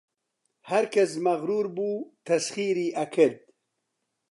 هەرکەس مەغروور بوو تەسخیری ئەکرد